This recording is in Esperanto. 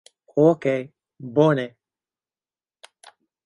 Okej, bone.